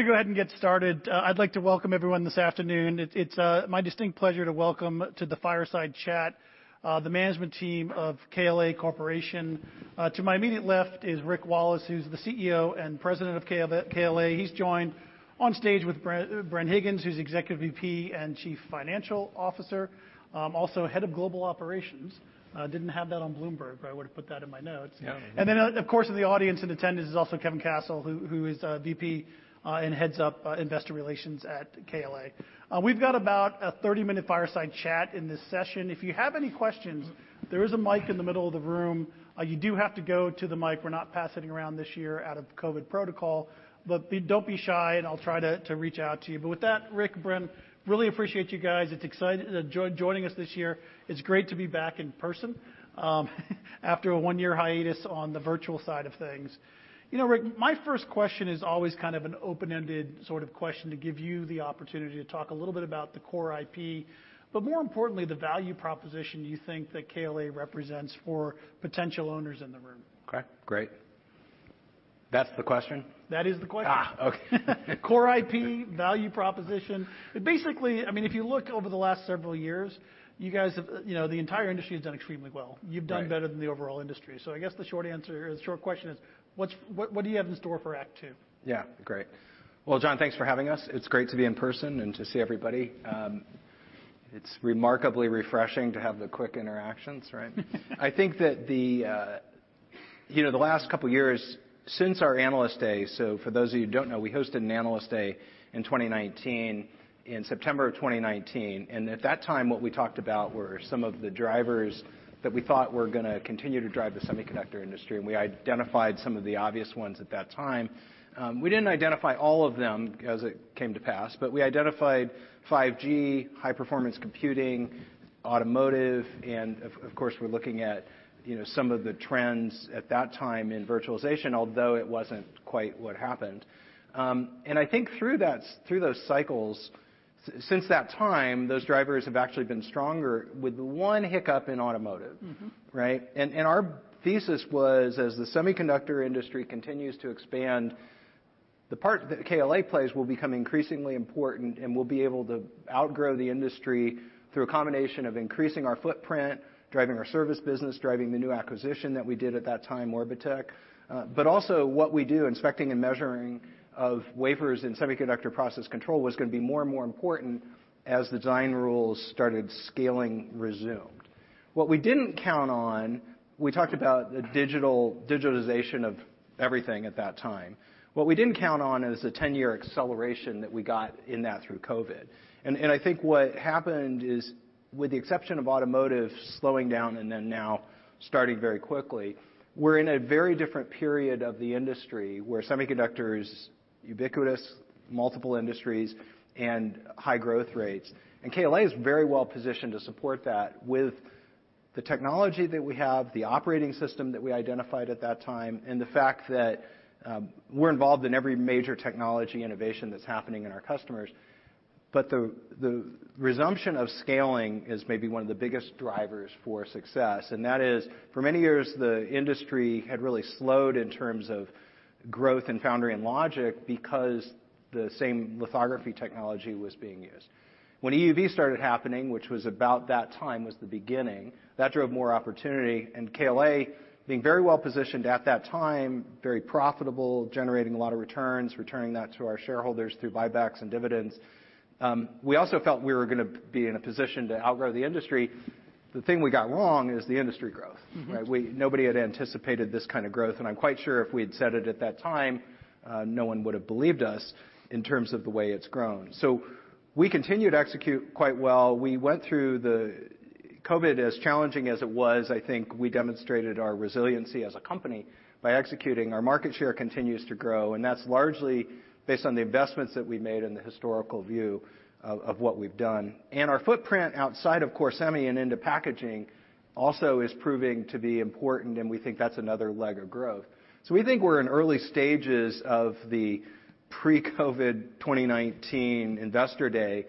Let me go ahead and get started. I'd like to welcome everyone this afternoon. It's my distinct pleasure to welcome to the Fireside Chat, the management team of KLA Corporation. To my immediate left is Rick Wallace, who's the CEO and President of KLA. He's joined on stage with Bren Higgins, who's Executive VP and Chief Financial Officer, also Head of Global Operations. Didn't have that on Bloomberg, or I would've put that in my notes. Yeah. Of course, in the audience in attendance is also Kevin Kessel, who is VP, and heads up Investor Relations at KLA. We've got about a 30-minute Fireside Chat in this session. If you have any questions, there is a mic in the middle of the room. You do have to go to the mic. We're not passing around this year out of COVID protocol. Don't be shy, and I'll try to reach out to you. With that, Rick, Bren, really appreciate you guys joining us this year. It's great to be back in person after a one-year hiatus on the virtual side of things. Rick, my first question is always kind of an open-ended sort of question to give you the opportunity to talk a little bit about the core IP, but more importantly, the value proposition you think that KLA represents for potential owners in the room. Okay, great. That's the question? That is the question. Okay. Core IP, value proposition. Basically, if you look over the last several years, the entire industry has done extremely well. Right. You've done better than the overall industry. I guess the short question is, what do you have in store for act two? Yeah, great. Well, John, thanks for having us. It's great to be in person and to see everybody. It's remarkably refreshing to have the quick interactions, right? I think that the last couple of years, since our Analyst Day, so for those of you who don't know, we hosted an Analyst Day in 2019, in September of 2019. At that time, what we talked about were some of the drivers that we thought were going to continue to drive the semiconductor industry, and we identified some of the obvious ones at that time. We didn't identify all of them as it came to pass, but we identified 5G, high-performance computing, automotive, and of course, we're looking at some of the trends at that time in virtualization, although it wasn't quite what happened. I think through those cycles, since that time, those drivers have actually been stronger with one hiccup in automotive. Right? Our thesis was, as the semiconductor industry continues to expand, the part that KLA plays will become increasingly important, and we'll be able to outgrow the industry through a combination of increasing our footprint, driving our service business, driving the new acquisition that we did at that time, Orbotech. Also what we do, inspecting and measuring of wafers and semiconductor process control, was going to be more and more important as the design rules started scaling resumed. What we didn't count on, we talked about the digitalization of everything at that time. What we didn't count on is the 10-year acceleration that we got in that through COVID. I think what happened is, with the exception of automotive slowing down and then now starting very quickly, we're in a very different period of the industry where semiconductors, ubiquitous, multiple industries, and high growth rates. KLA is very well positioned to support that with the technology that we have, the operating system that we identified at that time, and the fact that we're involved in every major technology innovation that's happening in our customers. The resumption of scaling is maybe one of the biggest drivers for success, and that is, for many years, the industry had really slowed in terms of growth in foundry and logic because the same lithography technology was being used. When EUV started happening, which was about that time was the beginning, that drove more opportunity, and KLA, being very well positioned at that time, very profitable, generating a lot of returns, returning that to our shareholders through buybacks and dividends, we also felt we were going to be in a position to outgrow the industry. The thing we got wrong is the industry growth, right? Nobody had anticipated this kind of growth, and I'm quite sure if we had said it at that time, no one would have believed us in terms of the way it's grown. We continued to execute quite well. We went through the COVID. As challenging as it was, I think we demonstrated our resiliency as a company by executing. Our market share continues to grow, and that's largely based on the investments that we made and the historical view of what we've done. Our footprint outside, of course, semi and into packaging also is proving to be important, and we think that's another leg of growth. We think we're in early stages of the pre-COVID 2019 Investor Day.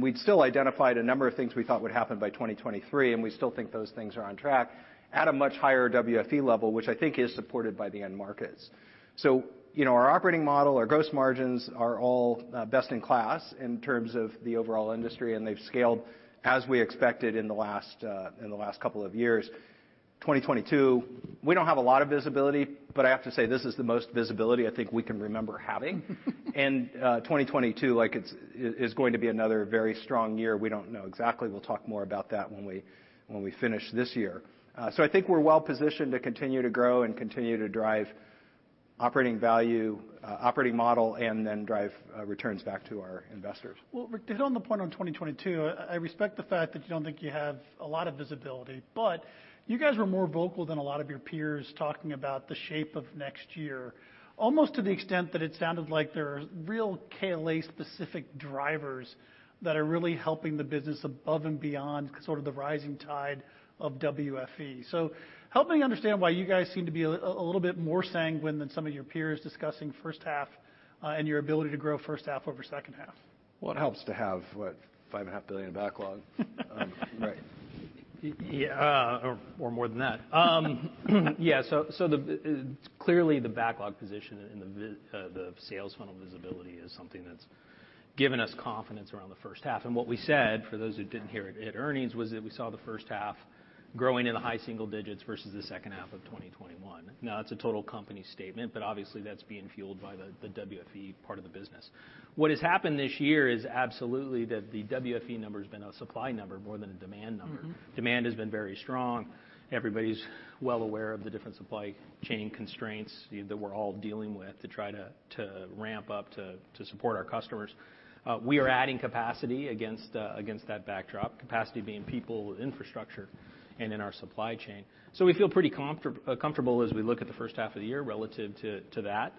We'd still identified a number of things we thought would happen by 2023, and we still think those things are on track at a much higher WFE level, which I think is supported by the end markets. Our operating model, our gross margins are all best in class in terms of the overall industry, and they've scaled as we expected in the last couple of years. 2022, we don't have a lot of visibility, but I have to say, this is the most visibility I think we can remember having. 2022 is going to be another very strong year. We don't know exactly. We'll talk more about that when we finish this year. I think we're well positioned to continue to grow and continue to drive operating value, operating model, and then drive returns back to our investors. Well, Rick, to hit on the point on 2022, I respect the fact that you don't think you have a lot of visibility, but you guys were more vocal than a lot of your peers talking about the shape of next year, almost to the extent that it sounded like there are real KLA specific drivers that are really helping the business above and beyond sort of the rising tide of WFE. Help me understand why you guys seem to be a little bit more sanguine than some of your peers discussing first half, and your ability to grow first half over second half. Well, it helps to have, what, $5.5 billion backlog. Right. Or more than that. Clearly, the backlog position and the sales funnel visibility is something that's given us confidence around the first half. What we said, for those who didn't hear it at earnings, was that we saw the first half growing in the high single digits versus the second half of 2021. That's a total company statement, but obviously, that's being fueled by the WFE part of the business. What has happened this year is absolutely that the WFE number's been a supply number more than a demand number. Demand has been very strong. Everybody's well aware of the different supply chain constraints that we're all dealing with to try to ramp up to support our customers. We are adding capacity against that backdrop, capacity being people, infrastructure, and in our supply chain. We feel pretty comfortable as we look at the first half of the year relative to that.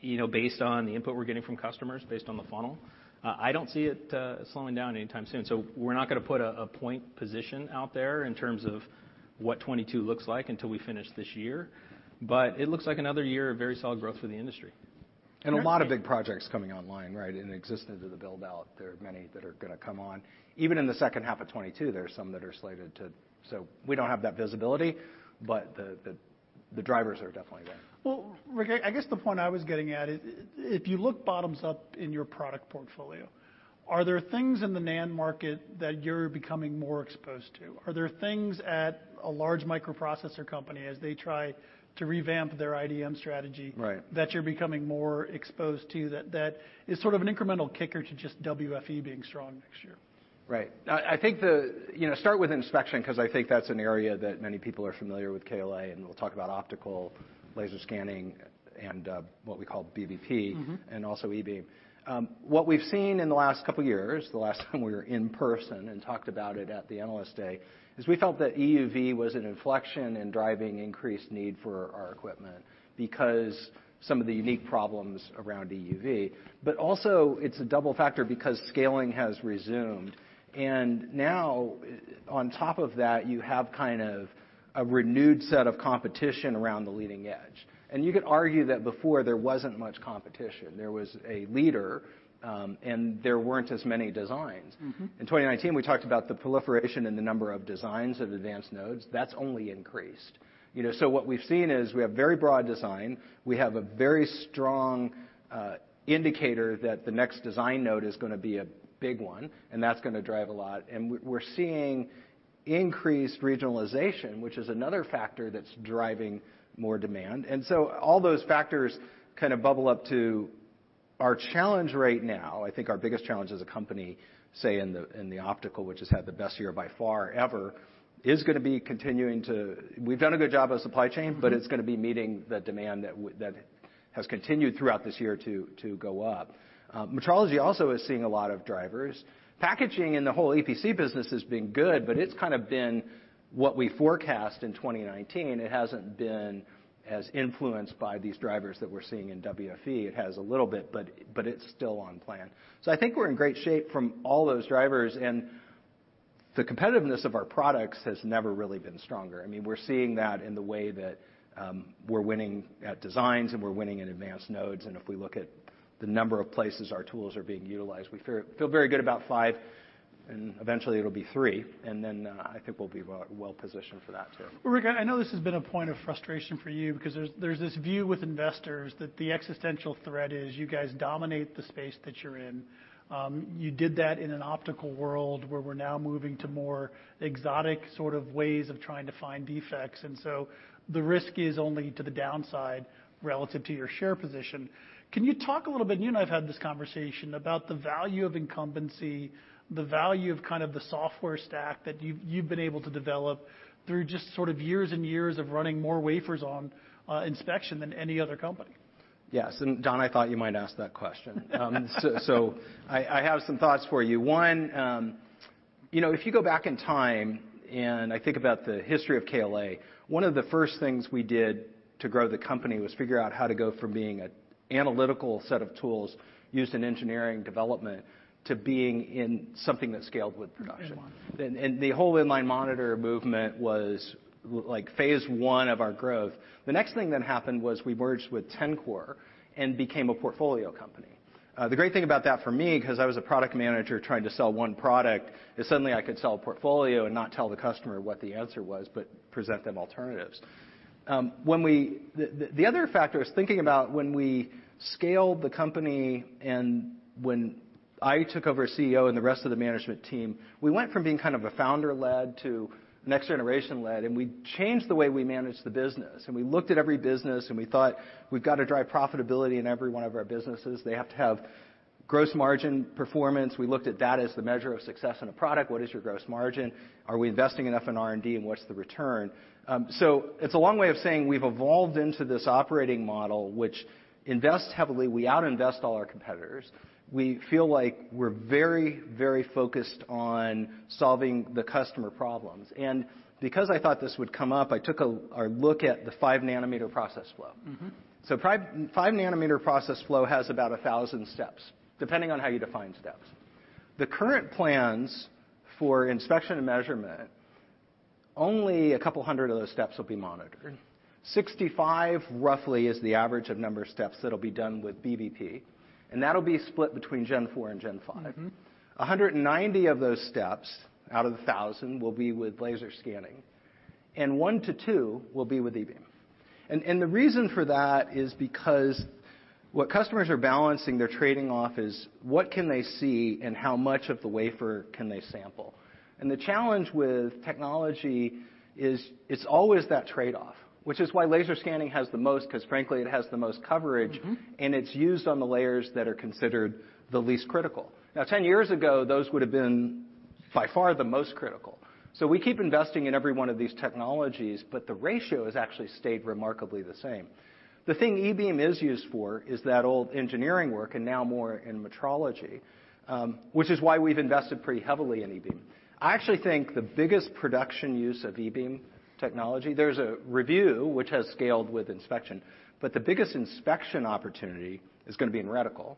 Based on the input we're getting from customers, based on the funnel, I don't see it slowing down anytime soon. We're not going to put a point position out there in terms of what 2022 looks like until we finish this year, but it looks like another year of very solid growth for the industry. A lot of big projects coming online, right? In addition to the build-out, there are many that are going to come on. Even in the second half of 2022, there are some that are slated to. We don't have that visibility, but the drivers are definitely there. Well, Rick, I guess the point I was getting at is, if you look bottoms up in your product portfolio, are there things in the NAND market that you're becoming more exposed to? Are there things at a large microprocessor company, as they try to revamp their IDM strategy? Right that you're becoming more exposed to, that is sort of an incremental kicker to just WFE being strong next year? Right. Start with inspection, because I think that's an area that many people are familiar with KLA, and we'll talk about optical, laser scanning, and what we call BBP- Also, e-beam. What we've seen in the last couple of years, the last time we were in person and talked about it at the analyst day, is we felt that EUV was an inflection in driving increased need for our equipment, because some of the unique problems around EUV. Also, it's a double factor because scaling has resumed, and now on top of that, you have kind of a renewed set of competition around the leading edge. You could argue that before there wasn't much competition. There was a leader, and there weren't as many designs. In 2019, we talked about the proliferation in the number of designs of advanced nodes. That's only increased. What we've seen is we have very broad design, we have a very strong indicator that the next design node is going to be a big one, and that's going to drive a lot, and we're seeing increased regionalization, which is another factor that's driving more demand. All those factors kind of bubble up to our challenge right now, I think our biggest challenge as a company, say in the optical, which has had the best year by far ever, is going to be continuing to We've done a good job of supply chain- It's going to be meeting the demand that has continued throughout this year to go up. Metrology also is seeing a lot of drivers. Packaging and the whole EPC business has been good, but it's kind of been what we forecast in 2019. It hasn't been as influenced by these drivers that we're seeing in WFE. It has a little bit, but it's still on plan. I think we're in great shape from all those drivers, and the competitiveness of our products has never really been stronger. We're seeing that in the way that we're winning at designs and we're winning in advanced nodes, and if we look at the number of places our tools are being utilized, we feel very good about 5, and eventually it'll be 3. I think we'll be well-positioned for that, too. Well, Rick, I know this has been a point of frustration for you, because there's this view with investors that the existential thread is you guys dominate the space that you're in. You did that in an optical world, where we're now moving to more exotic sort of ways of trying to find defects. The risk is only to the downside relative to your share position. Can you talk a little bit, you and I have had this conversation, about the value of incumbency, the value of the software stack that you've been able to develop through just sort of years and years of running more wafers on inspection than any other company? Yes, John, I thought you might ask that question. I have some thoughts for you. One, if you go back in time, and I think about the history of KLA, one of the first things we did to grow the company was figure out how to go from being an analytical set of tools used in engineering development to being in something that scaled with production. The whole inline monitor movement was phase one of our growth. The next thing that happened was we merged with Tencor and became a portfolio company. The great thing about that for me, because I was a product manager trying to sell one product, is suddenly I could sell a portfolio and not tell the customer what the answer was, but present them alternatives. The other factor is thinking about when we scaled the company and when I took over as CEO and the rest of the management team, we went from being kind of a founder-led to next-generation-led, and we changed the way we managed the business. We looked at every business and we thought, "We've got to drive profitability in every one of our businesses. They have to have gross margin performance." We looked at that as the measure of success in a product. What is your gross margin? Are we investing enough in R&D, and what's the return? It's a long way of saying we've evolved into this operating model, which invests heavily. We out-invest all our competitors. We feel like we're very focused on solving the customer problems. Because I thought this would come up, I took a look at the 5 nm process flow. 5 nm process flow has about 1,000 steps, depending on how you define steps. The current plans for inspection and measurement. Only a couple hundred of those steps will be monitored. 65 roughly is the average of number of steps that'll be done with BBP, and that'll be split between Gen 4 and Gen 5. 190 of those steps out of the 1,000 will be with laser scanning, and one to two will be with e-beam. The reason for that is because what customers are balancing, they're trading off is what can they see and how much of the wafer can they sample. The challenge with technology is it's always that trade-off, which is why laser scanning has the most, because frankly, it has the most coverage. It's used on the layers that are considered the least critical. Now, 10 years ago, those would've been by far the most critical. We keep investing in every one of these technologies, but the ratio has actually stayed remarkably the same. The thing e-beam is used for is that old engineering work and now more in metrology, which is why we've invested pretty heavily in e-beam. I actually think the biggest production use of e-beam technology, there's a review which has scaled with inspection, but the biggest inspection opportunity is going to be in reticle,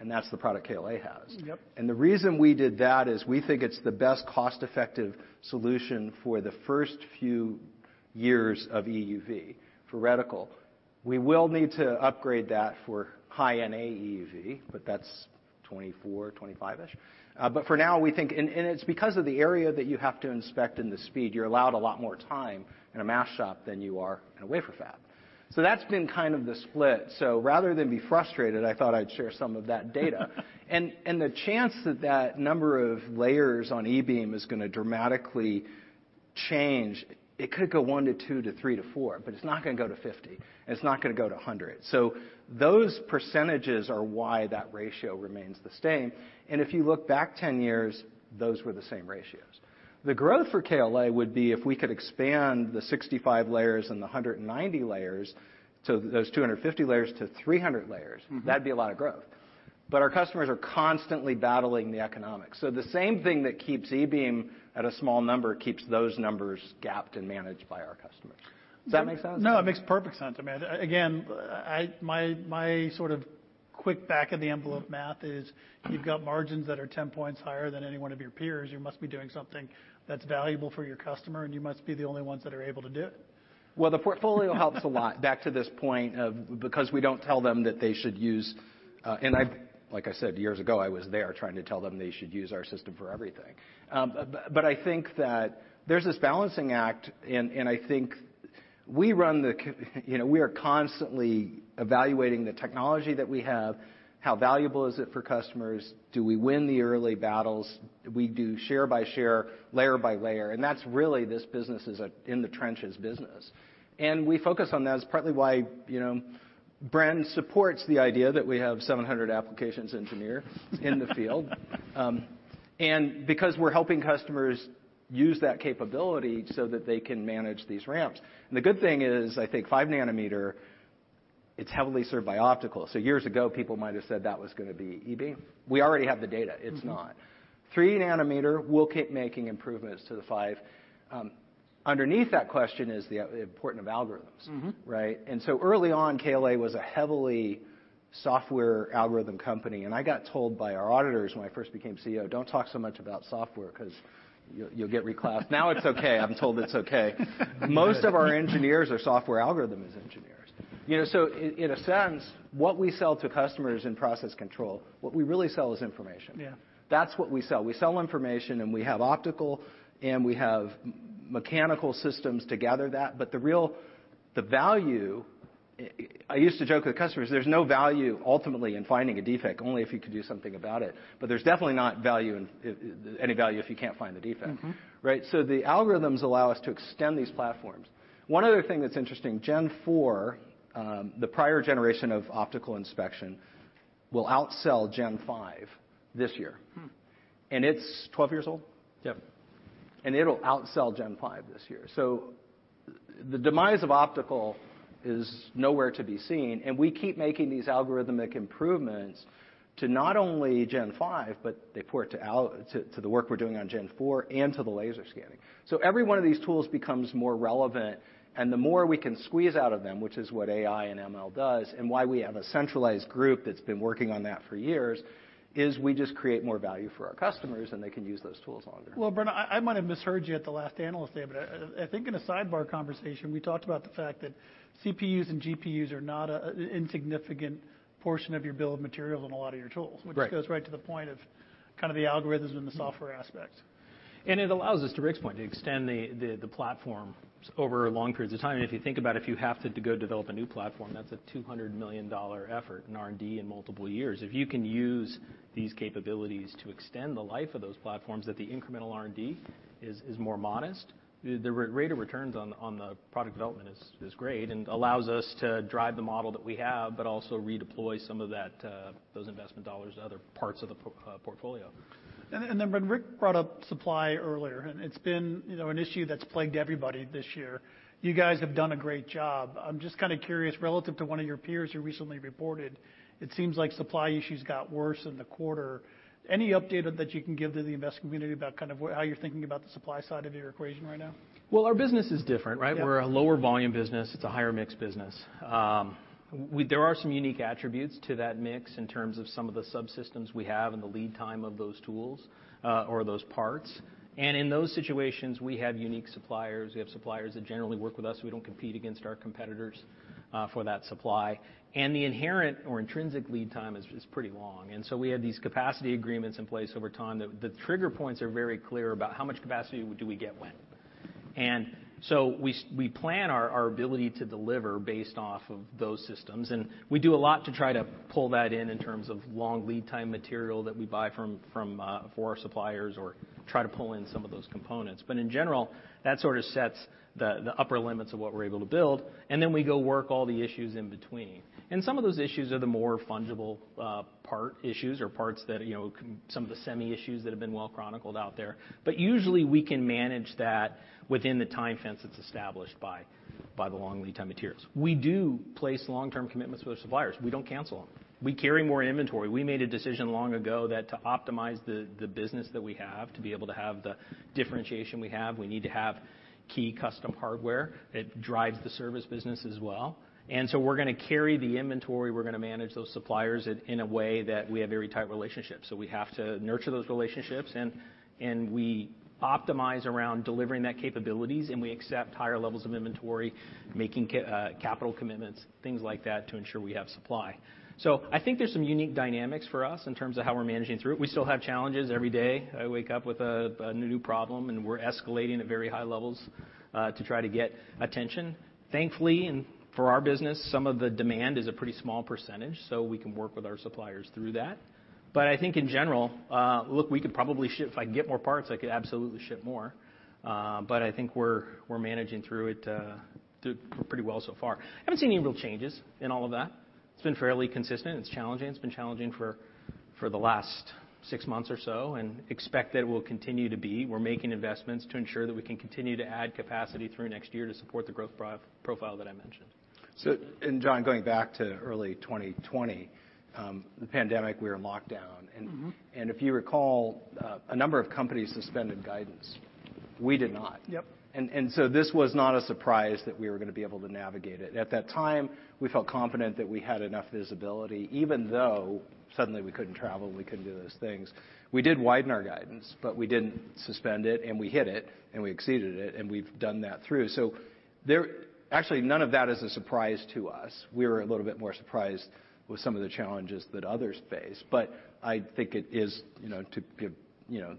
and that's the product KLA has. Yep. The reason we did that is we think it's the best cost-effective solution for the first few years of EUV for reticle. We will need to upgrade that for High-NA EUV, but that's 2024, 2025-ish. For now, we think it's because of the area that you have to inspect and the speed. You're allowed a lot more time in a mask shop than you are in a wafer fab. That's been kind of the split. Rather than be frustrated, I thought I'd share some of that data. The chance that that number of layers on e-beam is going to dramatically change, it could go one to two to three to four, but it's not going to go to 50, and it's not going to go to 100. Those percentages are why that ratio remains the same. If you look back 10 years, those were the same ratios. The growth for KLA would be if we could expand the 65 layers and the 190 layers, so those 250 layers to 300 layers. That'd be a lot of growth. Our customers are constantly battling the economics. The same thing that keeps e-beam at a small number keeps those numbers gapped and managed by our customers. Does that make sense? No, it makes perfect sense to me. Again, my sort of quick back of the envelope math is you've got margins that are 10 points higher than any one of your peers. You must be doing something that's valuable for your customer, and you must be the only ones that are able to do it. Well, the portfolio helps a lot. Back to this point of because we don't tell them that they should use. Like I said, years ago, I was there trying to tell them they should use our system for everything. I think that there's this balancing act, and I think we are constantly evaluating the technology that we have, how valuable is it for customers? Do we win the early battles? We do share by share, layer by layer, and that's really, this business is an in the trenches business. We focus on that. It's partly why Bren supports the idea that we have 700 applications engineer in the field. Because we're helping customers use that capability so that they can manage these ramps. The good thing is, I think 5 nm, it's heavily served by optical. Years ago, people might've said that was going to be e-beam. We already have the data. It's not. 3 nm, we'll keep making improvements to the five. Underneath that question is the importance of algorithms. Right? Early on, KLA was a heavily software algorithm company, and I got told by our auditors when I first became CEO, "Don't talk so much about software because you'll get reclassed." Now it's okay. I'm told it's okay. Most of our engineers are software algorithms engineers. In a sense, what we sell to customers in process control, what we really sell is information. Yeah. That's what we sell. We sell information, and we have optical, and we have mechanical systems to gather that. The real value, I used to joke with customers, there's no value ultimately in finding a defect, only if you could do something about it. There's definitely not any value if you can't find the defect. Right? The algorithms allow us to extend these platforms. One other thing that's interesting, Gen 4, the prior generation of optical inspection, will outsell Gen 5 this year. It's 12 years old. Yep. It'll outsell Gen 5 this year. The demise of optical is nowhere to be seen, and we keep making these algorithmic improvements to not only Gen 5, but they port to the work we're doing on Gen 4 and to the laser scanning. Every one of these tools becomes more relevant, and the more we can squeeze out of them, which is what AI and ML does, and why we have a centralized group that's been working on that for years, is we just create more value for our customers, and they can use those tools longer. Well, Bren, I might have misheard you at the last analyst day, but I think in a sidebar conversation, we talked about the fact that CPUs and GPUs are not an insignificant portion of your bill of materials in a lot of your tools. Right. Which goes right to the point of kind of the algorithms and the software aspects. It allows us, to Rick's point, to extend the platform over long periods of time. If you think about if you have to go develop a new platform, that's a $200 million effort in R&D in multiple years. If you can use these capabilities to extend the life of those platforms, that the incremental R&D is more modest, the rate of returns on the product development is great allows us to drive the model that we have, also redeploy some of those investment dollars to other parts of the portfolio. When Rick brought up supply earlier, it's been an issue that's plagued everybody this year. You guys have done a great job. I'm just kind of curious, relative to one of your peers who recently reported, it seems like supply issues got worse in the quarter. Any update that you can give to the investor community about kind of how you're thinking about the supply side of your equation right now? Well, our business is different, right? Yeah. We're a lower volume business. It's a higher mix business. There are some unique attributes to that mix in terms of some of the subsystems we have and the lead time of those tools, or those parts. In those situations, we have unique suppliers. We have suppliers that generally work with us, so we don't compete against our competitors for that supply. The inherent or intrinsic lead time is pretty long. We have these capacity agreements in place over time that the trigger points are very clear about how much capacity do we get when. We plan our ability to deliver based off of those systems, and we do a lot to try to pull that in terms of long lead time material that we buy from our suppliers or try to pull in some of those components. In general, that sort of sets the upper limits of what we're able to build, and then we go work all the issues in between. Some of those issues are the more fungible part issues or some of the semi issues that have been well chronicled out there. Usually, we can manage that within the time fence that's established by the long lead time materials. We do place long-term commitments with our suppliers. We don't cancel them. We carry more inventory. We made a decision long ago that to optimize the business that we have, to be able to have the differentiation we have, we need to have key custom hardware that drives the service business as well. We're going to carry the inventory, we're going to manage those suppliers in a way that we have very tight relationships. We have to nurture those relationships, and we optimize around delivering that capabilities, and we accept higher levels of inventory, making capital commitments, things like that to ensure we have supply. I think there's some unique dynamics for us in terms of how we're managing through it. We still have challenges every day. I wake up with a new problem, and we're escalating at very high levels, to try to get attention. Thankfully, for our business, some of the demand is a pretty small %, so we can work with our suppliers through that. I think in general, look, if I could get more parts, I could absolutely ship more. I think we're managing through it pretty well so far. Haven't seen any real changes in all of that. It's been fairly consistent. It's challenging. It's been challenging for the last six months or so, expect that it will continue to be. We're making investments to ensure that we can continue to add capacity through next year to support the growth profile that I mentioned. John, going back to early 2020, the pandemic, we were in lockdown. If you recall, a number of companies suspended guidance. We did not. Yep. This was not a surprise that we were going to be able to navigate it. At that time, we felt confident that we had enough visibility, even though suddenly we couldn't travel, we couldn't do those things. We did widen our guidance, but we didn't suspend it, and we hit it, and we exceeded it, and we've done that through. Actually, none of that is a surprise to us. We were a little bit more surprised with some of the challenges that others face, but I think it is,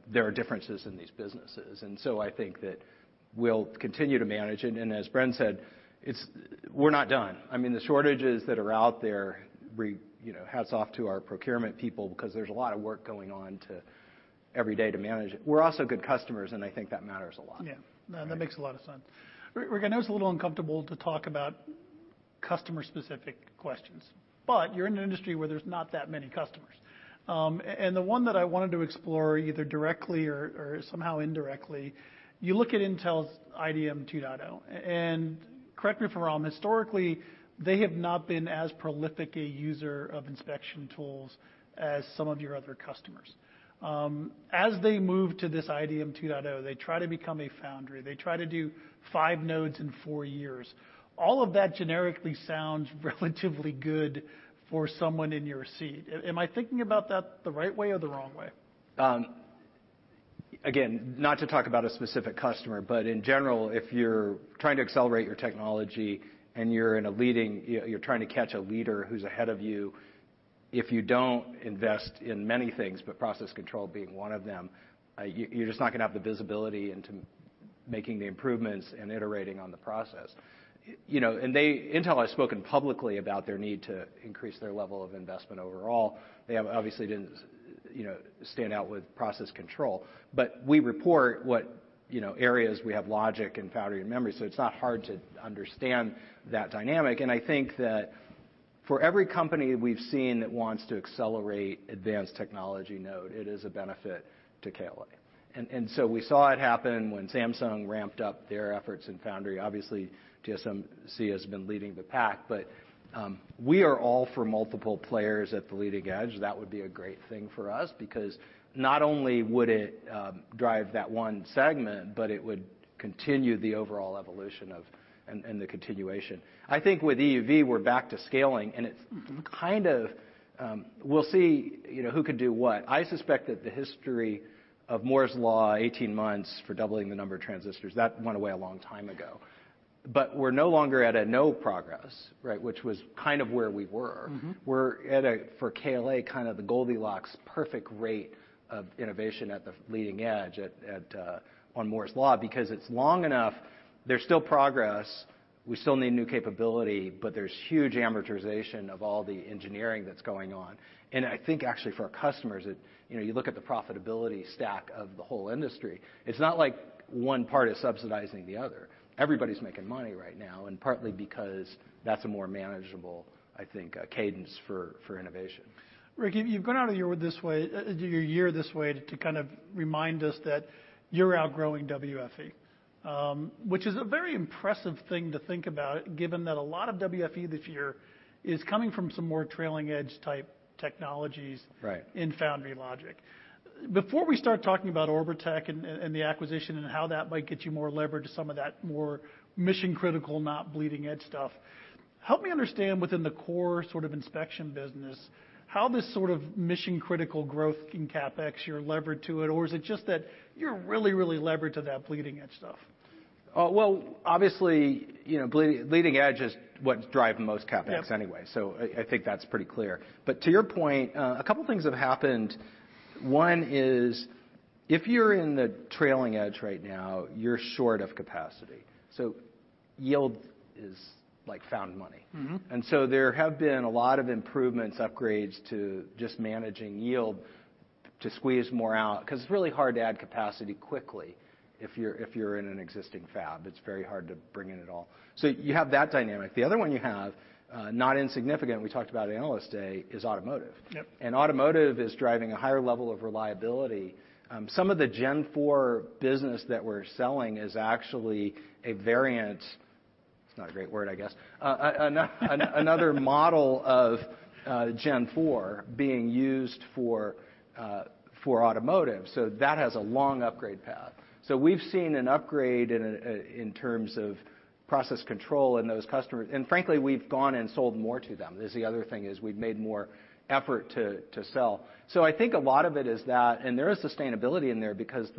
there are differences in these businesses. I think that we'll continue to manage, and as Bren said, we're not done. I mean, the shortages that are out there, hats off to our procurement people, because there's a lot of work going on every day to manage it. We're also good customers, and I think that matters a lot. Yeah. No, that makes a lot of sense. Rick, I know it's a little uncomfortable to talk about customer-specific questions, but you're in an industry where there's not that many customers. The one that I wanted to explore, either directly or somehow indirectly, you look at Intel's IDM 2.0, and correct me if I'm wrong, historically, they have not been as prolific a user of inspection tools as some of your other customers. As they move to this IDM 2.0, they try to become a foundry. They try to do five nodes in four years. All of that generically sounds relatively good for someone in your seat. Am I thinking about that the right way or the wrong way? Again, not to talk about a specific customer, but in general, if you're trying to accelerate your technology and you're trying to catch a leader who's ahead of you, if you don't invest in many things, but process control being one of them, you're just not going to have the visibility into making the improvements and iterating on the process. Intel has spoken publicly about their need to increase their level of investment overall. They obviously didn't stand out with process control, but we report what areas we have logic and foundry and memory, so it's not hard to understand that dynamic. I think that for every company we've seen that wants to accelerate advanced technology node, it is a benefit to KLA. We saw it happen when Samsung ramped up their efforts in foundry. Obviously, TSMC has been leading the pack, we are all for multiple players at the leading edge. That would be a great thing for us because not only would it drive that one segment, but it would continue the overall evolution and the continuation. I think with EUV, we're back to scaling, and it's kind of, we'll see who could do what. I suspect that the history of Moore's Law, 18 months for doubling the number of transistors, that went away a long time ago. We're no longer at a no progress, right, which was kind of where we were. We're at a, for KLA, kind of the Goldilocks perfect rate of innovation at the leading edge on Moore's Law, because it's long enough, there's still progress, we still need new capability, but there's huge amortization of all the engineering that's going on. I think actually for our customers, you look at the profitability stack of the whole industry, it's not like one part is subsidizing the other. Everybody's making money right now, and partly because that's a more manageable, I think, cadence for innovation. Rick, you've gone out of your year this way to kind of remind us that you're outgrowing WFE, which is a very impressive thing to think about given that a lot of WFE this year is coming from some more trailing edge type technologies. Right In foundry logic. Before we start talking about Orbotech and the acquisition and how that might get you more leverage to some of that more mission-critical, not bleeding edge stuff, help me understand within the core sort of inspection business, how this sort of mission-critical growth in CapEx, you're levered to it, or is it just that you're really levered to that bleeding edge stuff? Obviously, bleeding edge is what drive most CapEx anyway. Yeah. I think that's pretty clear. To your point, a couple things have happened. One is, if you're in the trailing edge right now, you're short of capacity. Yield is like found money. There have been a lot of improvements, upgrades to just managing yield to squeeze more out, because it's really hard to add capacity quickly if you're in an existing fab. It's very hard to bring it in at all. You have that dynamic. The other one you have, not insignificant, we talked about Analyst Day, is automotive. Yep. Automotive is driving a higher level of reliability. Some of the Gen 4 business that we're selling is actually a variant, it's not a great word, I guess. Another model of Gen being used for automotive. That has a long upgrade path. We've seen an upgrade in terms of process control in those customers. Frankly, we've gone and sold more to them, is the other thing, is we've made more effort to sell. I think a lot of it is that, and there is sustainability in there because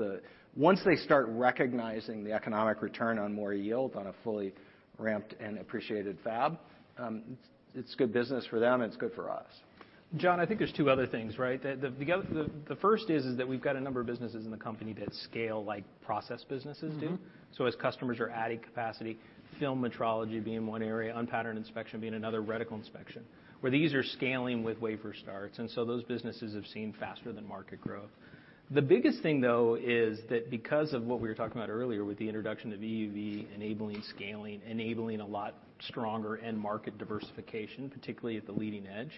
once they start recognizing the economic return on more yield on a fully ramped and appreciated fab, it's good business for them and it's good for us. John, I think there's two other things, right? The first is that we've got a number of businesses in the company that scale like process businesses do. As customers are adding capacity, film metrology being one area, unpatterned inspection being another, reticle inspection, where these are scaling with wafer starts, those businesses have seen faster than market growth. The biggest thing, though, is that because of what we were talking about earlier with the introduction of EUV enabling scaling, enabling a lot stronger end market diversification, particularly at the leading edge,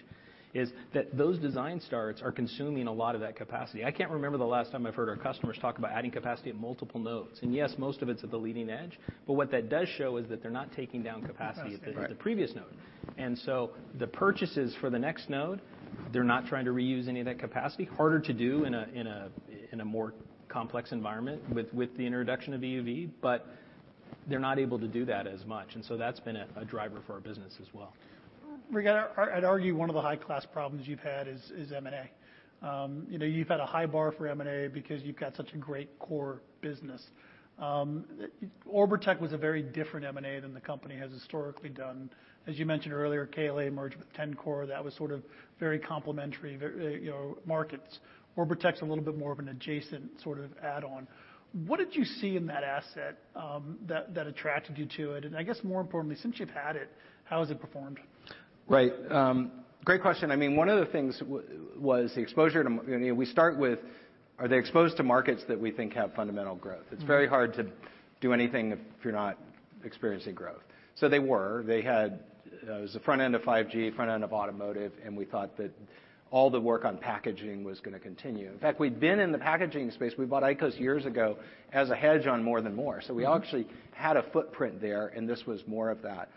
is that those design starts are consuming a lot of that capacity. I can't remember the last time I've heard our customers talk about adding capacity at multiple nodes. Yes, most of it's at the leading edge. What that does show is that they're not taking down capacity. Capacity, right at the previous node. The purchases for the next node, they're not trying to reuse any of that capacity. Harder to do in a more complex environment with the introduction of EUV, they're not able to do that as much, that's been a driver for our business as well. Rick, I'd argue one of the high-class problems you've had is M&A. You've had a high bar for M&A because you've got such a great core business. Orbotech was a very different M&A than the company has historically done. As you mentioned earlier, KLA merged with Tencor. That was sort of very complementary markets. Orbotech's a little bit more of an adjacent sort of add-on. What did you see in that asset that attracted you to it? I guess more importantly, since you've had it, how has it performed? Right. Great question. We start with are they exposed to markets that we think have fundamental growth? It's very hard to do anything if you're not experiencing growth. They were. It was the front end of 5G, front end of automotive, and we thought that all the work on packaging was going to continue. In fact, we'd been in the packaging space, we bought ICOS years ago as a hedge on More than Moore. We actually had a footprint there, and this was more of that.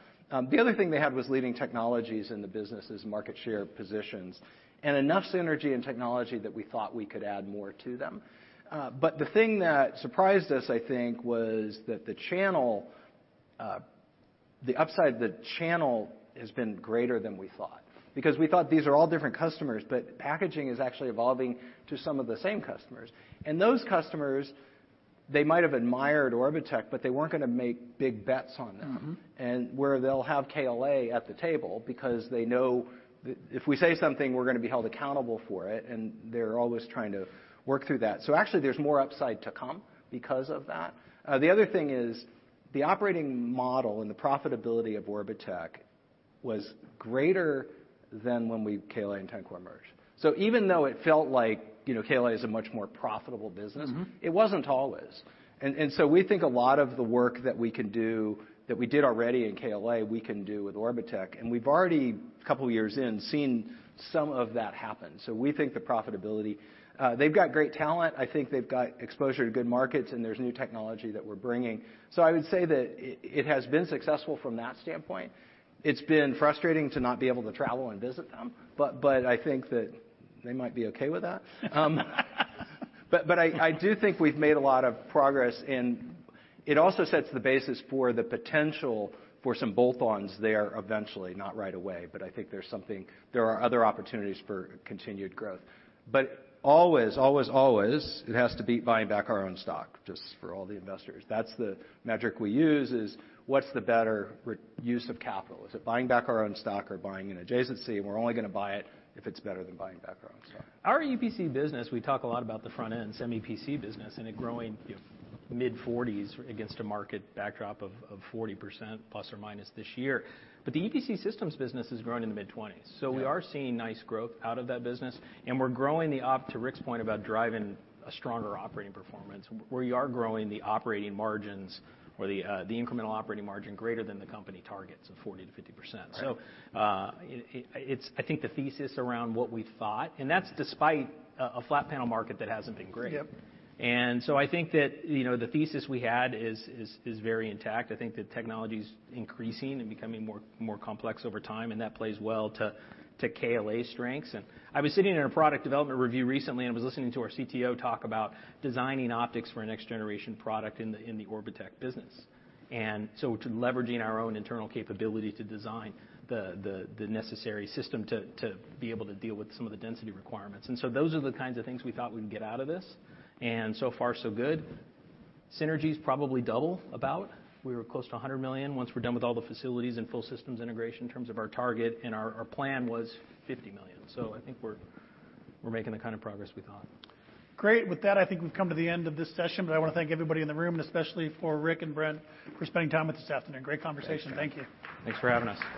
The other thing they had was leading technologies in the businesses, market share positions, and enough synergy in technology that we thought we could add more to them. The thing that surprised us, I think, was that the upside of the channel has been greater than we thought. Because we thought these are all different customers, but packaging is actually evolving to some of the same customers. Those customers, they might have admired Orbotech, but they weren't going to make big bets on them. Where they'll have KLA at the table because they know that if we say something, we're going to be held accountable for it, and they're always trying to work through that. Actually, there's more upside to come because of that. The other thing is the operating model and the profitability of Orbotech was greater than when KLA and Tencor merged. Even though it felt like KLA is a much more profitable business. it wasn't always. We think a lot of the work that we can do, that we did already in KLA, we can do with Orbotech, and we've already, a couple of years in, seen some of that happen. We think the profitability. They've got great talent, I think they've got exposure to good markets, and there's new technology that we're bringing. I would say that it has been successful from that standpoint. It's been frustrating to not be able to travel and visit them, but I think that they might be okay with that. I do think we've made a lot of progress and it also sets the basis for the potential for some bolt-ons there eventually, not right away, but I think there are other opportunities for continued growth. always, always, it has to beat buying back our own stock, just for all the investors. That's the metric we use, is what's the better use of capital? Is it buying back our own stock or buying an adjacency, and we're only going to buy it if it's better than buying back our own stock. Our EPC business, we talk a lot about the front end semi EPC business and it growing mid-40s against a market backdrop of 40% plus or minus this year. The EPC systems business is growing in the mid-20s. Yeah. We are seeing nice growth out of that business and, to Rick's point about driving a stronger operating performance, we are growing the operating margins or the incremental operating margin greater than the company targets of 40%-50%. Right. It's I think the thesis around what we thought, and that's despite a flat panel market that hasn't been great. Yep. I think that the thesis we had is very intact. I think the technology's increasing and becoming more complex over time, and that plays well to KLA's strengths. I was sitting in a product development review recently, and I was listening to our CTO talk about designing optics for a next generation product in the Orbotech business. Leveraging our own internal capability to design the necessary system to be able to deal with some of the density requirements. Those are the kinds of things we thought we'd get out of this, and so far so good. Synergy's probably double, about. We were close to $100 million. Once we're done with all the facilities and full systems integration in terms of our target, and our plan was $50 million. I think we're making the kind of progress we thought. Great. With that, I think we've come to the end of this session. I want to thank everybody in the room, and especially for Rick and Bren for spending time with us this afternoon. Great conversation. Thank you. Thanks, John. Thanks for having us.